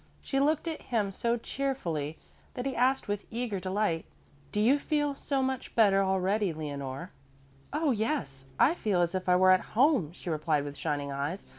She looked at him so cheerfully that he asked with eager delight, "Do you feel so much better already, Leonore?" "Oh, yes, I feel as if I were at home," she replied with shining eyes.